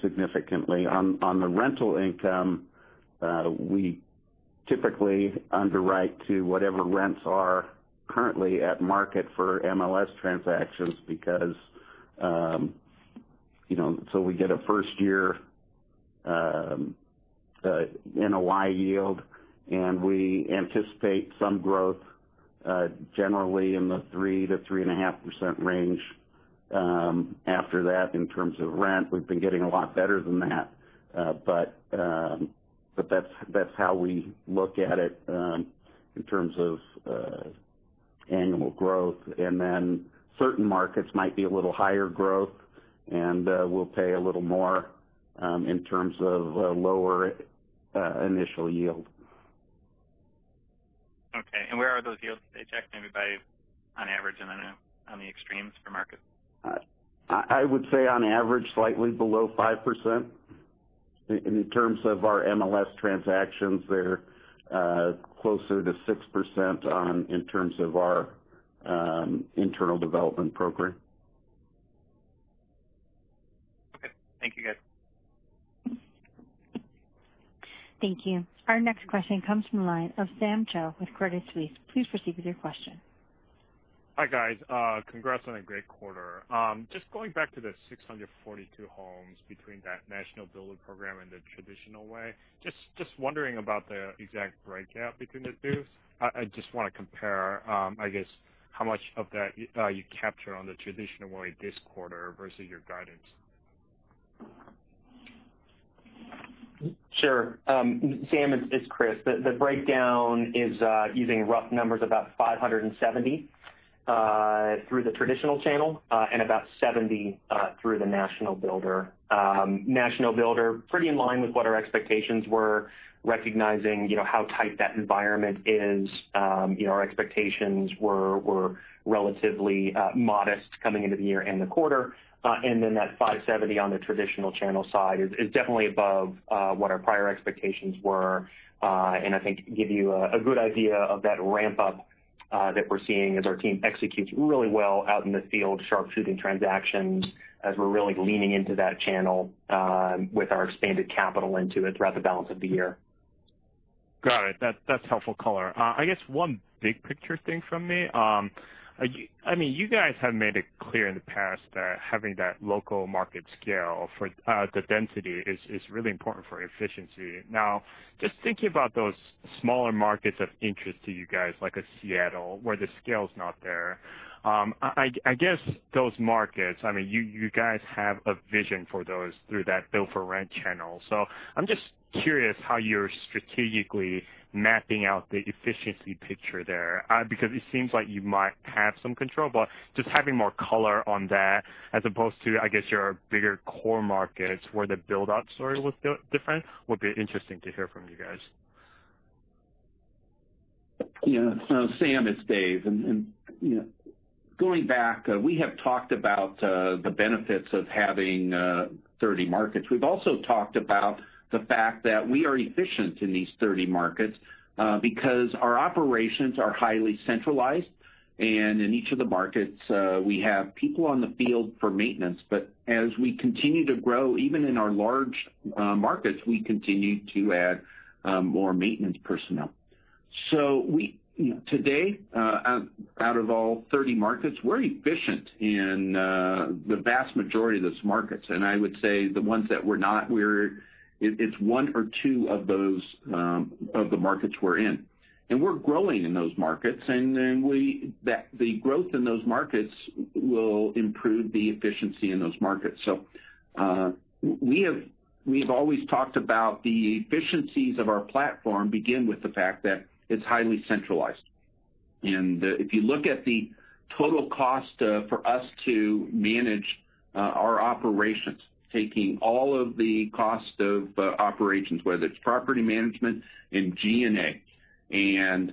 significantly. On the rental income, we typically underwrite to whatever rents are currently at market for MLS transactions, we get a first-year NOI yield, and we anticipate some growth generally in the 3%-3.5% range after that in terms of rent. We've been getting a lot better than that. That's how we look at it in terms of annual growth. Certain markets might be a little higher growth, and we'll pay a little more in terms of lower initial yield. Okay. Where are those yields today? Check maybe by on average on the extremes for market? I would say on average, slightly below 5%. In terms of our MLS transactions, they're closer to 6% in terms of our internal development program. Thank you. Our next question comes from the line of Sam Choe with Credit Suisse. Please proceed with your question. Hi, guys. Congrats on a great quarter. Just going back to the 642 homes between that national builder program and the traditional way, just wondering about the exact breakout between the two. I just want to compare, I guess, how much of that you captured on the traditional way this quarter versus your guidance. Sure. Sam, it's Chris. The breakdown is, using rough numbers, about 570 through the traditional channel and about 70 through the national builder. National builder, pretty in line with what our expectations were, recognizing how tight that environment is. Our expectations were relatively modest coming into the year and the quarter. That 570 on the traditional channel side is definitely above what our prior expectations were. I think give you a good idea of that ramp-up that we're seeing as our team executes really well out in the field, sharp-shooting transactions, as we're really leaning into that channel with our expanded capital into it throughout the balance of the year. Got it. That's helpful color. I guess one big picture thing from me. You guys have made it clear in the past that having that local market scale for the density is really important for efficiency. Now, just thinking about those smaller markets of interest to you guys, like a Seattle, where the scale's not there. I guess those markets, you guys have a vision for those through that Build-for-Rent channel. I'm just curious how you're strategically mapping out the efficiency picture there, because it seems like you might have some control, but just having more color on that as opposed to, I guess, your bigger core markets where the buildup story was different would be interesting to hear from you guys. Yeah. Sam Choe, it's David Singelyn. Going back, we have talked about the benefits of having 30 markets. We've also talked about the fact that we are efficient in these 30 markets because our operations are highly centralized. In each of the markets, we have people on the field for maintenance. As we continue to grow, even in our large markets, we continue to add more maintenance personnel. Today, out of all 30 markets, we're efficient in the vast majority of those markets. I would say the ones that we're not, it's one or two of the markets we're in. We're growing in those markets. The growth in those markets will improve the efficiency in those markets. We've always talked about the efficiencies of our platform begin with the fact that it's highly centralized. If you look at the total cost for us to manage our operations, taking all of the cost of operations, whether it's property management and G&A, and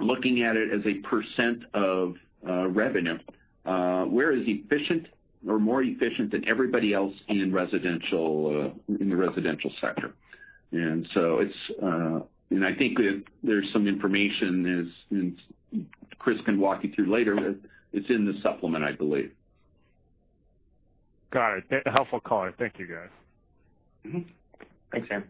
looking at it as a percent of revenue, we're as efficient or more efficient than everybody else in the residential sector. I think there's some information, as Chris can walk you through later. It's in the supplement, I believe. Got it. Helpful color. Thank you, guys. Thanks, Sam.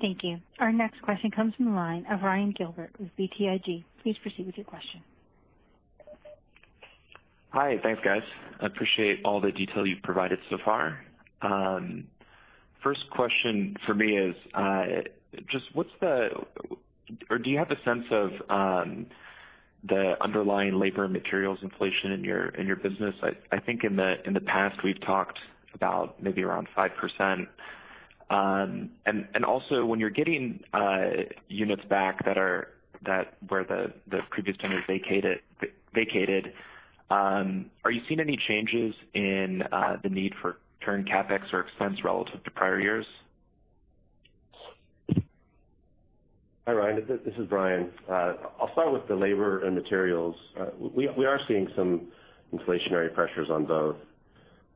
Thank you. Our next question comes from the line of Ryan Gilbert with BTIG. Please proceed with your question. Hi. Thanks, guys. I appreciate all the detail you've provided so far. First question for me is, do you have a sense of the underlying labor materials inflation in your business? I think in the past, we've talked about maybe around 5%. Also when you're getting units back where the previous tenant vacated, are you seeing any changes in the need for turn CapEx or expense relative to prior years? Hi, Ryan, this is Bryan. I'll start with the labor and materials. We are seeing some inflationary pressures on both.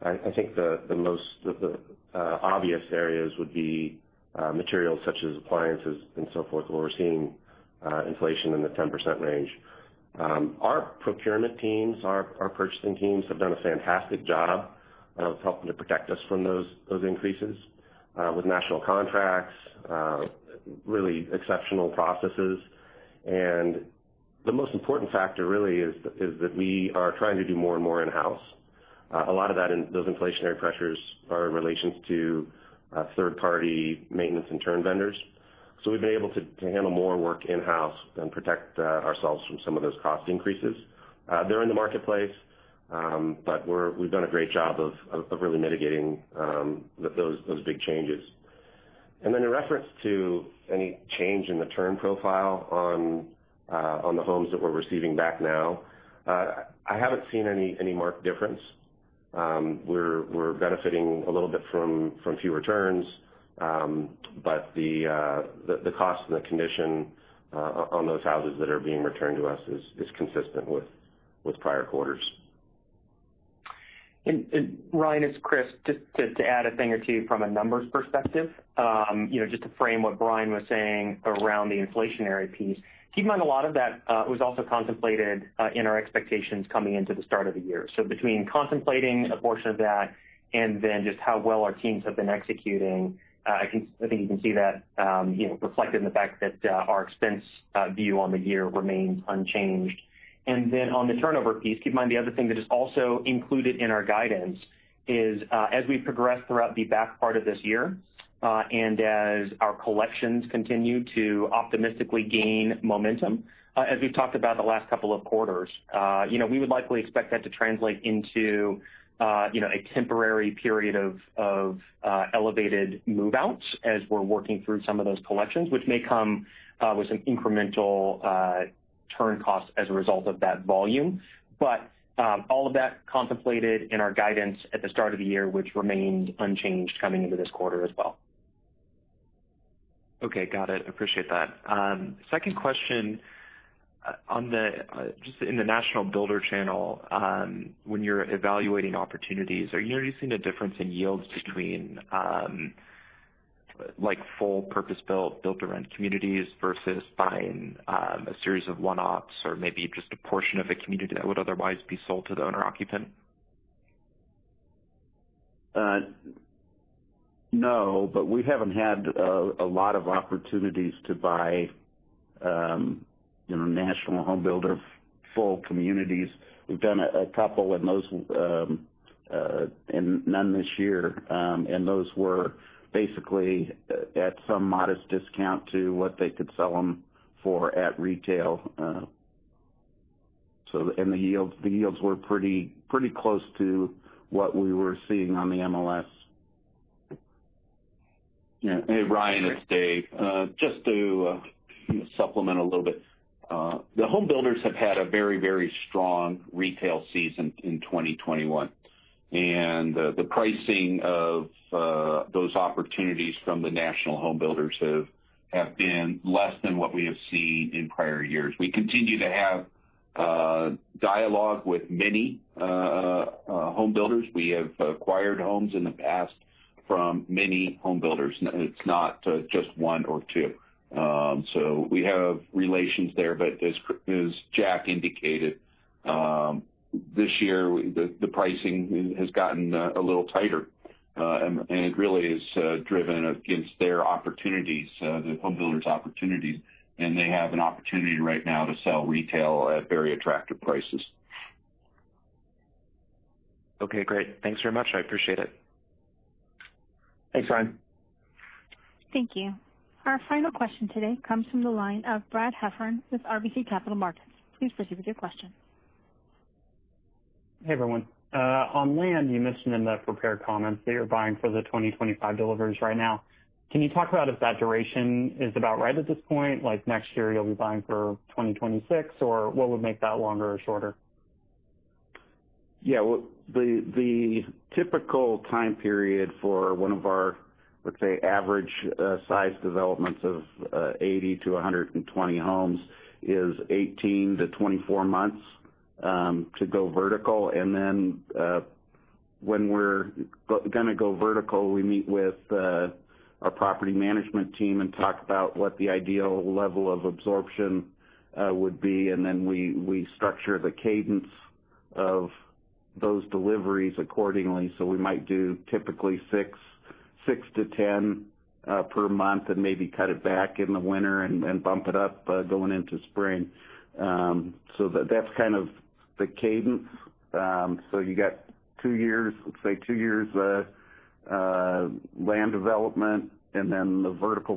I think the most obvious areas would be materials such as appliances and so forth, where we're seeing inflation in the 10% range. Our procurement teams, our purchasing teams, have done a fantastic job of helping to protect us from those increases with national contracts, really exceptional processes. The most important factor really is that we are trying to do more and more in-house. A lot of those inflationary pressures are in relation to third-party maintenance and turn vendors. We've been able to handle more work in-house and protect ourselves from some of those cost increases. They're in the marketplace, but we've done a great job of really mitigating those big changes. In reference to any change in the turn profile on the homes that we're receiving back now, I haven't seen any marked difference. We're benefiting a little bit from fewer turns, but the cost and the condition on those houses that are being returned to us is consistent with prior quarters. Ryan, it's Chris. Just to add a thing or two from a numbers perspective. Just to frame what Bryan was saying around the inflationary piece. Keep in mind a lot of that was also contemplated in our expectations coming into the start of the year. Between contemplating a portion of that. And then just how well our teams have been executing. I think you can see that reflected in the fact that our expense view on the year remains unchanged. On the turnover piece, keep in mind the other thing that is also included in our guidance is, as we progress throughout the back part of this year, and as our collections continue to optimistically gain momentum, as we've talked about the last couple of quarters, we would likely expect that to translate into a temporary period of elevated move-outs as we're working through some of those collections, which may come with some incremental turn costs as a result of that volume. All of that contemplated in our guidance at the start of the year, which remains unchanged coming into this quarter as well. Okay, got it. Appreciate that. Second question. Just in the national builder channel, when you're evaluating opportunities, are you noticing a difference in yields between full purpose-built, Build-for-Rent communities versus buying a series of one-offs or maybe just a portion of a community that would otherwise be sold to the owner occupant? No, we haven't had a lot of opportunities to buy national home builder full communities. We've done a couple and none this year. Those were basically at some modest discount to what they could sell them for at retail. The yields were pretty close to what we were seeing on the MLS. Hey, Ryan, it's David. Just to supplement a little bit. The home builders have had a very strong retail season in 2021. The pricing of those opportunities from the national home builders have been less than what we have seen in prior years. We continue to have dialogue with many home builders. We have acquired homes in the past from many home builders. It's not just one or two. We have relations there, but as Jack indicated, this year, the pricing has gotten a little tighter. It really is driven against their opportunities, the home builder's opportunities, and they have an opportunity right now to sell retail at very attractive prices. Okay, great. Thanks very much. I appreciate it. Thanks, Ryan. Thank you. Our final question today comes from the line of Brad Heffern with RBC Capital Markets. Please proceed with your question. Hey, everyone. Alan, you mentioned in the prepared comments that you're buying for the 2025 deliveries right now. Can you talk about if that duration is about right at this point, like next year you'll be buying for 2026, or what would make that longer or shorter? Well, the typical time period for one of our, let's say, average size developments of 80-120 homes is 18-24 months to go vertical. When we're going to go vertical, we meet with our property management team and talk about what the ideal level of absorption would be, we structure the cadence of those deliveries accordingly. We might do typically six to 10 per month and maybe cut it back in the winter and bump it up going into spring. That's kind of the cadence. You got two years, let's say two years land development, the vertical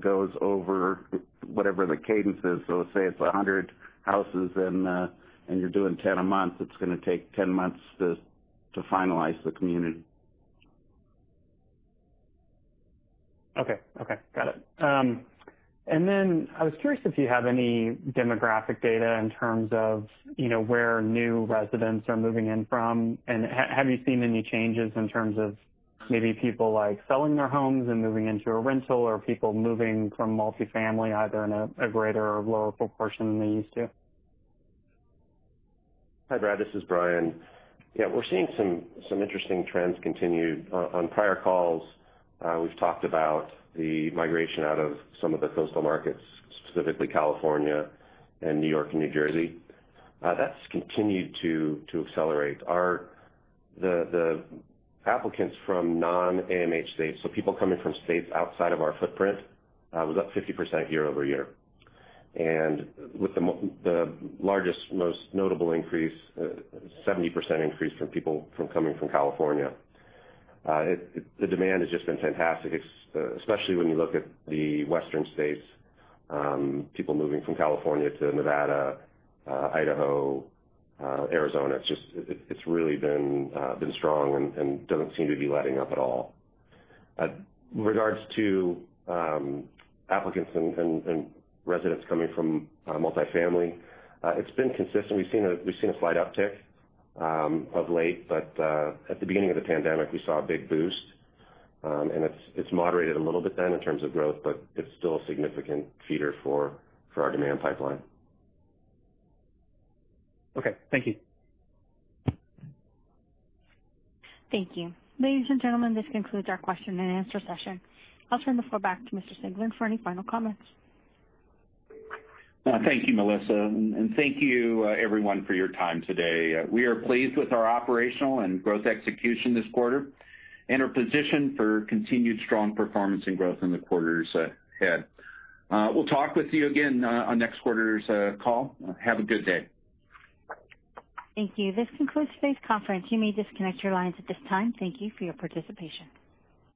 goes over whatever the cadence is. Let's say it's 100 houses and you're doing 10 a month, it's going to take 10 months to finalize the community. Okay. Got it. I was curious if you have any demographic data in terms of where new residents are moving in from, and have you seen any changes in terms of maybe people selling their homes and moving into a rental, or people moving from multifamily either in a greater or lower proportion than they used to? Hi, Brad, this is Bryan. Yeah, we're seeing some interesting trends continue. On prior calls, we've talked about the migration out of some of the coastal markets, specifically California and New York and New Jersey. That's continued to accelerate. The applicants from non-AMH states, so people coming from states outside of our footprint, was up 50% year-over-year. With the largest, most notable increase, 70% increase from people coming from California. The demand has just been fantastic, especially when you look at the western states, people moving from California to Nevada, Idaho, Arizona. It's really been strong and doesn't seem to be letting up at all. Regards to applicants and residents coming from multifamily, it's been consistent. We've seen a slight uptick of late, at the beginning of the pandemic, we saw a big boost. It's moderated a little bit then in terms of growth, but it's still a significant feeder for our demand pipeline. Okay. Thank you. Thank you. Ladies and gentlemen, this concludes our question-and-answer session. I'll turn the floor back to Mr. Singelyn for any final comments. Thank you, Melissa, and thank you everyone for your time today. We are pleased with our operational and growth execution this quarter and are positioned for continued strong performance and growth in the quarters ahead. We'll talk with you again on next quarter's call. Have a good day. Thank you. This concludes today's conference. You may disconnect your lines at this time. Thank you for your participation.